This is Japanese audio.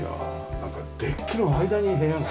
なんかデッキの間に部屋が。